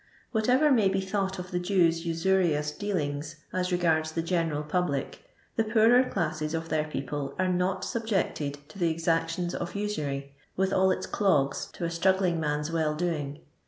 What ever maj be thought of the Jews* usurious dealings as regards the general public, the poorer classes of their people are not subjected to the exactions of J, with all its clogs to a struggling man's well doing.